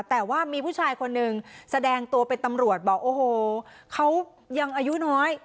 แต่ว่ามีผู้ชายคนหนึ่งแสดงตัวเป็นตำรวจบอกโอ้โหเขายังอายุน้อย